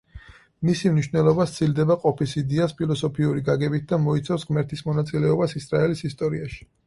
მისი მნიშვნელობა სცილდება ყოფის იდეას ფილოსოფიური გაგებით და მოიცავს ღმერთის მონაწილეობას ისრაელის ისტორიაში.